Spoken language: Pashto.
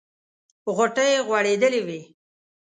غوټۍ یې غوړېدلې وې.